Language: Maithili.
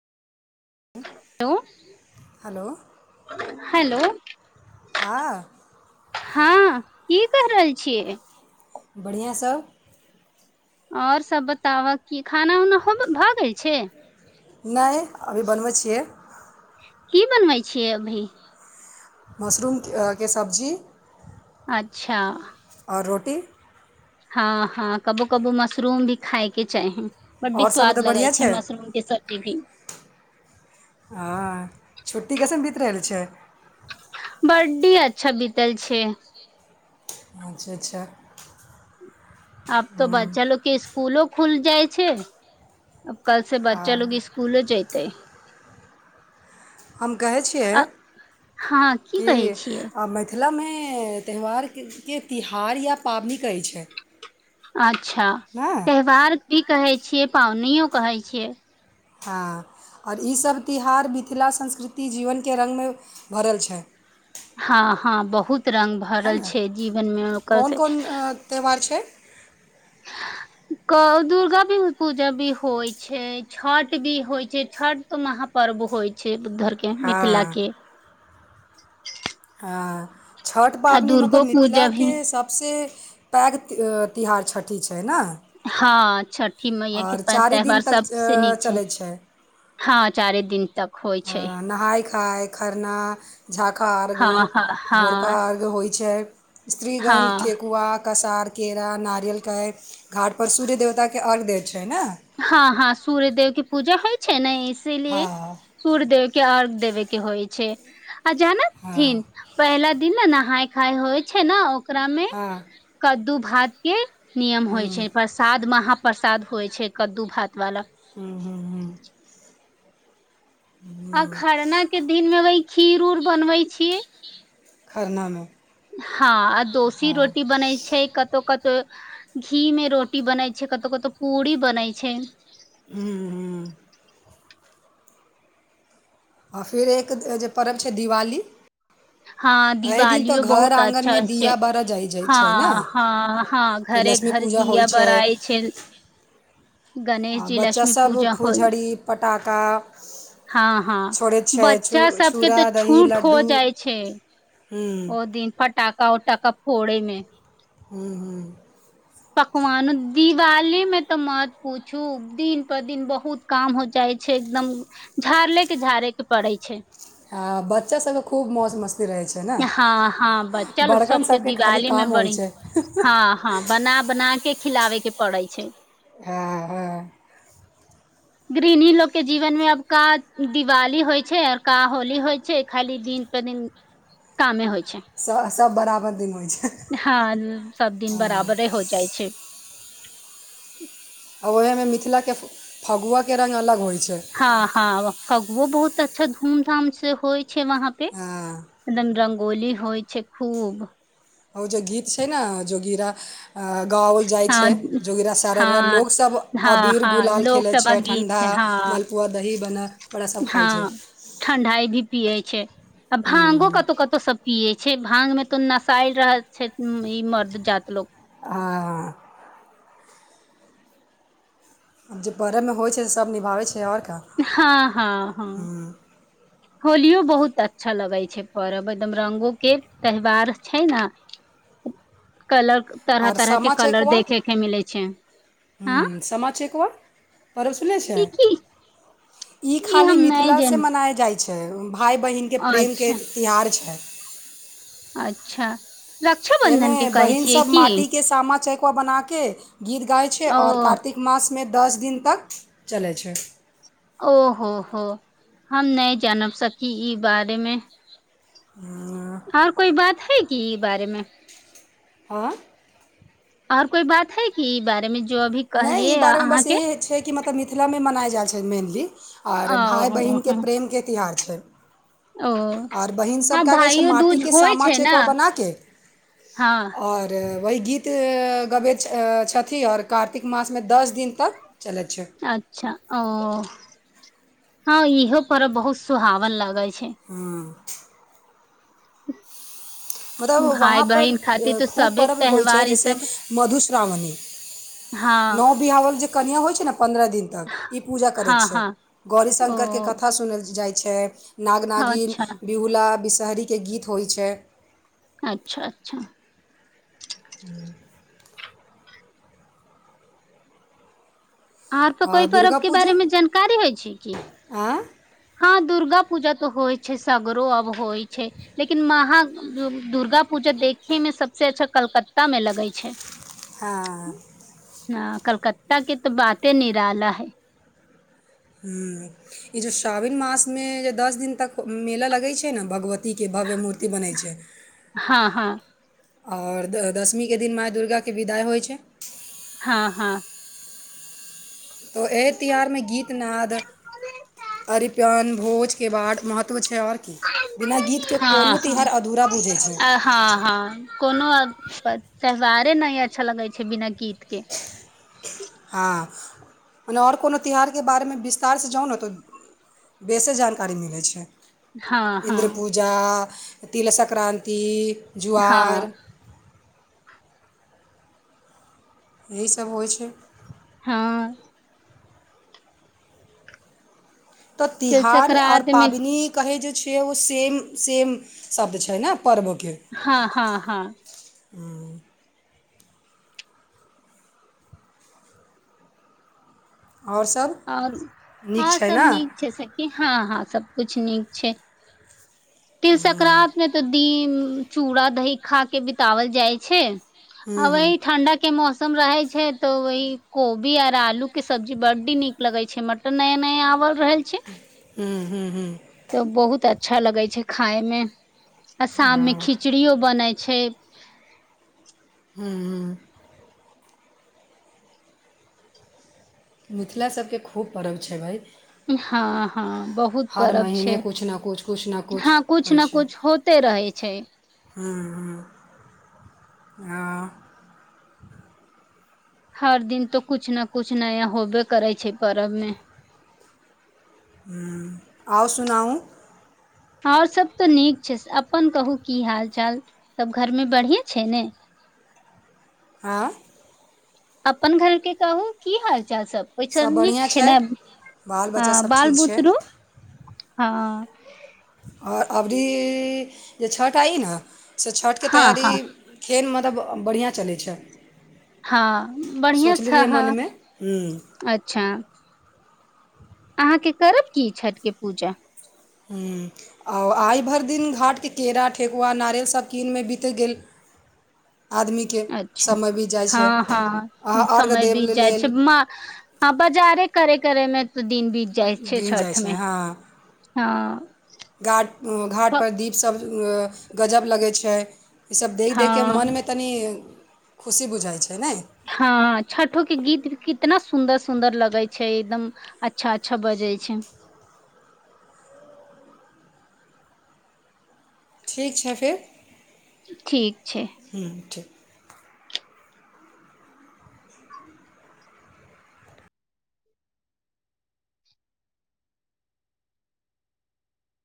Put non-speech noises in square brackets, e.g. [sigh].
हेलो हलो हेलो हँ की कह रहल छियै बढ़िआँ सँ ओर सब बताबह की खाना उना भऽ गेल छै नइ अभी बनबै छियै की बनबै छियै अभी मशरूम के सब्जी अच्छा ओर रोटी हँ हँ कबो कबो मशरूम भी खायके चाही बड्डी आओर सब स्वाद उधर लगै बढ़िआँ छै मशरूम के सब्जी भी हँ छुट्टी कैसन बीति रहल छै [unintelligible] कडडी अच्छा बीतल छै अच्छा अच्छा अब तो बच्चा लोको के स्कूलो खुल जाइ छै अब कल से बच्चा लोग स्कूलो जएतै हम कहई अ छियइ हँ की कि कहै छियै मैथ मिथिला मे त्यौहार के तिहार या पाबनि कहै छै अच्छ अच्छा ने त्योहार की कहै छियै पावनो कहै छियै हँ ओर ईसभ तिहार मिथिला संस्कृति जीवन के रङ्गमे भरल छै हँ हँ बहुत रंग है भरल ने छै जीवन मे ओकर कोन से कोन त्यौहार छै क दुर्गा भी पूजा भी होइ छै छठ भी होइ छै छठ त महापर्व होइ छै बुद्धर के मिथिला हँ के [inaudible] हँ छठि आ पाबनि मतलब दुर्गो पूजा मिथिला के भी सभसँ पैघ तिहार छठि छै न हँ छठ ठी मैय के चारि दिन त्यौहार तक सबसँ अ, नीक छै चलै हँ चारे दिन तक होइ अ, छै नहाय खाय खरना झाका अर्घ हँ हँ भोरका हँ अर्घ होइ छै स्त्रीगण हँ ठेकुआ कसार केरा नारियलके घाट पर सूर्य देवता के अर्घ्य दे छै ने हँ हँ सूर्य देेव के पूजा होइ छै ने हँ इीलि सूरदे [unintelligible] के अर्घ्य देबे के होइ छैइ आ जानतथिन हँ पहिला दिने ना खाय खाय होइ छै न ओकरामे हँ कद्दू भात के नियम होइ ह्म्म छै प्रसाद महा परसाद होइ छै कद्दू भात वाला हूंअ् हूंअ् हूंअ् आ खरना के दिन मे वही खीर उर बनबै छीयैइ खरना मे हँ आ दोसी रोटी बनै छैइ कत्तौ कतौ तऽ घी में रोटी बनै छैइ कतौ कत्तौ पूड़ी बनै छैइ ह्म्म ह्म्म आ फेर एक जे पर्व छैइ दिवाली हां एहि दिन तऽ दिवाली घर बहुत अच्छा आङ्गनमे छैइ दिया बारह जाइ जाइ छै ने हां हां हँ फिर घरे लक्ष्मी घर पूजा होइ दिया छै बड़ाइ छिन गणेश आ जी लक्ष्मी बच्चासभ पूजा होल फुलझड़ी पटाखा हां हां छोड़ैत छै छू बच्चा सब के छूड़ा तऽ दही छूट हो लड्डू जाइ हम्म ओ दिन फट टाका उटाका फोड़ैमे हूंअ् हूंअ् पकवान दिवाली मे तऽ मत पूछू दिन पर दिन बहुत काम हो जाइ छै एकदम झाड़ले के झाड़े के पड़ै छै आ बच्चा सबके खूब मौस मस्त हां हां बच्चा बड़कन सबके सभके खाली दिवाली मे काम होइ बड़ी छै हां हां बना बना के खिलाबे के पड़ै छैइ हँअ् हंअ् गृहणी लोग के जीवन में आब का दिवाली होइ छैइ आ का होली होइ छैइ खाली दिन पर दिन कामे होइ छैइ छय सब बराबर दिन होइ छै आ हां सब दिन बराबरे हो जाइ छैइ ओहे में मिथिला के फगुआ के रंग अलग होइ छै हां हां फगूओ बहुत अच्छा धूम धाम से होय छै वहाँ पे हँ कदम रंग होली होइ छै खूब ओ जे गीत छैइ ना जोगिरा गावल जाइ छैइ हँ जोगिरा सारा रा हँ लोक सब हँ अबीर हँ गुलाल लोक खेलै सभक छैइ गीत ठण्डा छै हँ मालपुआ दही बन बड़ा ओकरा सब खाइ छै हँ ठण्डाइ भी पियै छै आ भांगो कतौ कतौ सब पिये छै भाँगमे तऽ नसायल रहै छै ई मर्द जात लोक आहा आ जे पढ़ैमे होइ छै से सब निभाबै छै ओर हाँ हाँ हाँ होलियो बहुत अच्छा लगै छै परब एकदम रंगो के त्यौवार छै ना कलर तरह आओर तरह के सामा कलर चकेवा देखे के मिले छै ह हम्म, सामा चकेवा पर्व सुनले छै ई की ई खाली हम नहि मिथिलासे जानी मनायल जाइत छै [inaudible] भाई बहिनके प्रेमके अच्छा तिहार छै अच्छा एमे रक्षाबन्धन के कहै बहिन छियै सब की माटी के सामा चक को बना के गीत गाइ छै ओर ओ कार्तिक मासमे दस दिन तक चलै छै ओ हो हो हम नहि जानब सकी ई बारेमे आर कोई बात हइ की बारेमे आँ आर कोई बात है की ई बारेमे जो अभी कहलियै अहाँके तऽ मिथिलामे मनायल जाइत छै मेनली आर ओ भाई बहिन के हो, प्रेम के तिहार छै ओ आ बहिन सब हँ का करैयै छैय भाइयो माटी दूज के होइ सामा छै ने चेकबा बना के हँ और वही गीत गबैत छथि ओर कार्तिक मासमे दस दिन तक चलै छै अच्छा औ हँ इहो पर्व बहुत सुहावन लगै छै हँ [inaudible] वहाँ भाय पर बहिन खातिर तऽ खूब सभे परब होइ छै त्यौहार ई जैसे सब मधुश्राबनी हँ नब विहाओल जे कनिया हो छै ने पन्द्रह दिन तक ई पूजा करैत हँ छै हँ गौरी ओ शंकर के कथा सुनल जाइत छैय नाग नाागिन अच्छा बिहुला बिस शहरी के गीत होइत छै अच्छा अच्छा [inaudible] आर त आ कोइ पर्व दुर्गा के पूजा बारे मे जानकारी होइ छै की आ हँ दुर्गा पूजा त होइ छै सगरो आब होइ छै लेकिन महाँ दुर्गा पूजा देखने मे स सबसँ अच्छा कलकत्ता में लगै छै हँ ह कलकत्ता के तऽ बाते निराला है ह ई जे श्रावण मास मे जे दस दिन तक मेला लगैत छै ने भगवती ती के भव्य मूर्ति बनै छै हँ हँ ओर द दशमीके दिन माय दुर्गाके विदाइ होइ छै हँ हँ तऽ एहि त्यौहार मे गीतनाद अरिपन भोजके बाड महत्व छै आओर की बिना गीतके हँ कोनो तिहार अधूरा बुझै छै ह हँ हँ कोनो त्यौहार नहि अच्छा लगै छै बिना गीत के आ मने ओर कोनो त्यौहार के बारे मे विस्तार सँ जाउ ने तऽ बेसे जानकारी मिलैत छै हँ हँ इन्द्र पूजा तिला सक्रान्ति जुआर हँ यहीसभ होइ छै हँ तऽ तिल तिहार ओर संक्रान्ति मे पाबनि कहै जे छ उ सेम शब्द छै ने पर्वके हँ हँ हँ हँ ओर सभ आओर नीक आओर छै सब न नीक छै सखी हँ हँ सबकुछ नीक छै तिल सक्र्तमे तऽ दीम चूड़ा दही खा के बितवल जाइ छै हूँ आब हूँ वही ठण्डा के मौसम सम रहे छै तो वहि कोबी आर आलू के सब्जी बड्डी निक लगे छै मटन नया नया आवल रहल छै हूँ हूँ हूँ तऽ बहुत अच अच्छा लगै छै खायमे आ शाम मे हँ खिचड़ीयो बनाय छै ह्म ह मिथिला सभके खूब पर्व छबै भइ हँ हँ बहुत परर्व छै महीने किछु ने किछु किछु ने हँ किछु कुछु होइ ने छै कछ होते रहे छै आ हर दिन तो कछु ने कुछ नया होबे करै छै पर्व मे आउ सुनाउ ओर सभ तऽ नीक छै अपन कहू की हाल चाल सभ घरमे बढ़िये छै ने आँ अपन घर के कहू की हाल ओहिसँ सभ निक बढ़िआँ छै ने बाल अ बच्चासभ ठीक छै बालबुत्ररू हँ ह [inaudible] ओर अवरी जे छठ आइ न से छठिके हँ तैयरी हँ केन मतलब बढ़िआँ चलै छै हँ बढ़िआ सोचले छ रहियै हँ मनमे ह्म अच्छा अहाँके करब की छठिके पूजा आओ आइ भरि दिन घाटके केरा ठेकुआ नारियलसभ कीनमे बीत गेल आदमीके अच्छा समय बीत जाइ छै हँ अहाँ हँ अर्घ्य समय देब बीत ले- जाइ लेल छै हँ बजारे करे करेमे गिन जाइ छै ह हँ गाट घाट क- पर दीप सब गजब लगै छै ईसब देखि देखे हँ मोन मे तनि खुशी बुझाइ छै ने हँ छठो के गीत कितना सुन्दर सुन्दर लगै छै एकदम अच्छा अच्छा बजै छै ठीक छै फेर ठीक छै ह्म ठीक